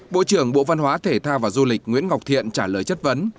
bộ trưởng bộ văn hóa thể thao và du lịch nguyễn ngọc thiện trả lời chất vấn